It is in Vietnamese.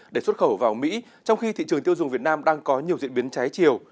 để xuất khẩu vào mỹ trong khi thị trường tiêu dùng việt nam đang có nhiều diễn biến trái chiều